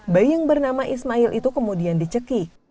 bayi yang bernama ismail itu kemudian dicekik